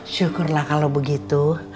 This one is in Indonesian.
syukurlah kalau begitu